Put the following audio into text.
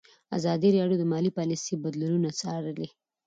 ازادي راډیو د مالي پالیسي بدلونونه څارلي.